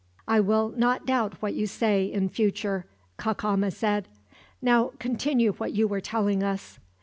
"I will not doubt what you say, in future," Cacama said. "Now, continue what you were telling us."